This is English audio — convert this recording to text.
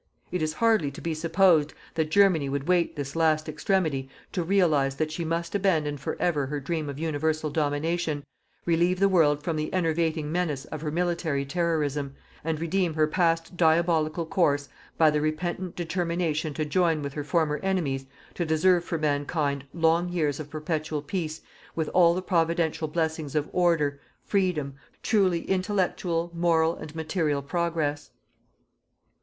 It is hardly to be supposed that Germany would wait this last extremity to realize that she must abandon for ever her dream of universal domination, relieve the world from the enervating menace of her military terrorism, and redeem her past diabolical course by the repentant determination to join with her former enemies to deserve for Mankind long years of perpetual peace with all the Providential blessings of order, freedom, truly intellectual, moral and material progress.